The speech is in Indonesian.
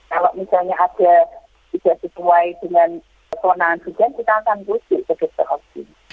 kalau misalnya ada yang tidak sesuai dengan kesonan bijan kita akan berusaha